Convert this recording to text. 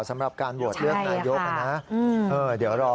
สำหรับการโหวตเลือกนายกนะเดี๋ยวรอ